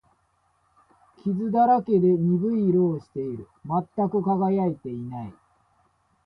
傷だらけで、鈍い色をしている。全く輝いていない。